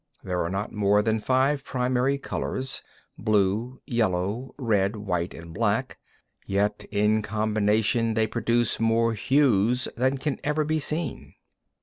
8. There are not more than five primary colours (blue, yellow, red, white, and black), yet in combination they produce more hues than can ever be seen.